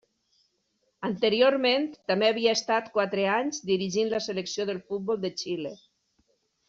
Anteriorment també havia estat quatre anys dirigint la selecció de futbol de Xile.